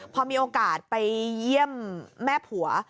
พอมีโอกาสไปเยี่ยมแม่ผัว